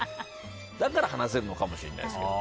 だから話せるのかもしれないですけど。